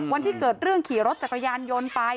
วันที่เกิดเรื่องขี่รถจักรยานยนต์ไป